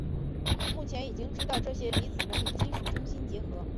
目前已经知道这些离子能与金属中心结合。